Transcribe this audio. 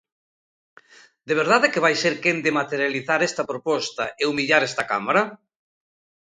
¿De verdade que vai ser quen de materializar esta proposta e humillar esta Cámara?